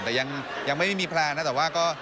แต่ยังไม่มีแพลนนะแต่ว่าก็